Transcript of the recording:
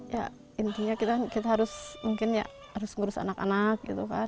ya intinya kita harus ngurus anak anak gitu kan